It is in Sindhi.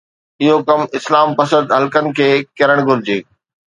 اهو ڪم اسلام پسند حلقن کي ڪرڻ گهرجي.